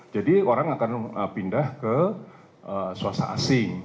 jadi orang akan pindah ke swasta asing